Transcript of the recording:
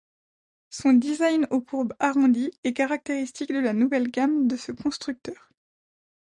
Son design aux courbes arrondies est caractéristique de la nouvelle gamme de ce constructeur.